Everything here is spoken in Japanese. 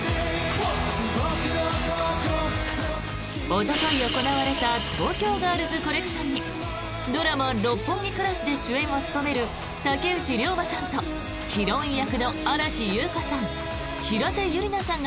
おととい行われた東京ガールズコレクションにドラマ「六本木クラス」で主演を務める竹内涼真さんとヒロイン役の新木優子さん